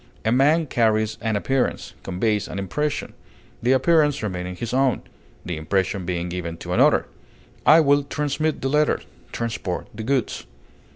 A man carries an appearance, conveys an impression, the appearance remaining his own, the impression being given to another; I will transmit the letter; transport the goods.